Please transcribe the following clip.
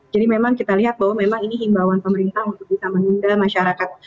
jadi memang kita lihat bahwa memang ini himbawan pemerintah untuk kita meninggal masyarakat